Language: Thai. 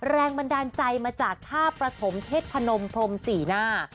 แรงบันดาลใจมาจากท่าประถมเทศพนมพรมสี่หน้า